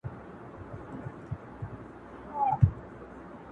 هیله ده دخوښی وړمو وګرځی،،!